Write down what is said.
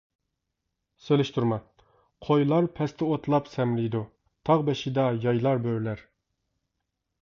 سېلىشتۇرما قويلار پەستە ئوتلاپ سەمرىيدۇ، تاغ بېشىدا يايلار بۆرىلەر.